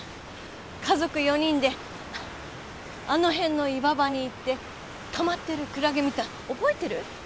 家族４人であの辺の岩場に行ってたまってるクラゲ見た覚えてる？